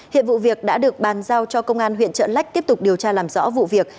hiện vụ việc đã được bàn giao cho công an huyện trợ lách tiếp tục điều tra làm rõ vụ việc